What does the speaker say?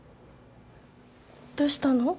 どうしたの？